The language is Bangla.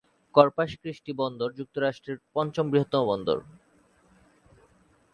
কর্পাস ক্রিস্টি বন্দর যুক্তরাষ্ট্রের পঞ্চম বৃহত্তম বন্দর।